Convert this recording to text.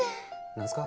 何すか？